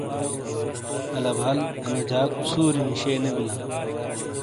الا بال اَنی جاکُو سُورینی شے نے بِیلاں۔